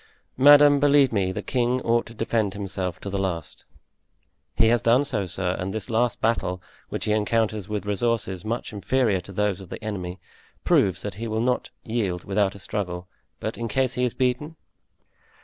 "Madame, believe me, the king ought to defend himself to the last." "He has done so, sir, and this last battle, which he encounters with resources much inferior to those of the enemy, proves that he will not yield without a struggle; but in case he is beaten?"